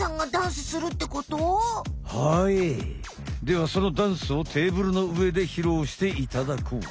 ではそのダンスをテーブルのうえでひろうしていただこう。